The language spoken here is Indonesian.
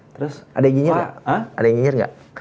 terus ada yang nyinyir nggak